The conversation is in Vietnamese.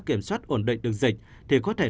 kiểm soát ổn định được dịch thì có thể